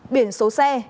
biển số xe